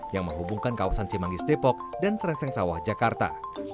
yang menghubungkan kawasan simangis depok dan serengseng sawah jakarta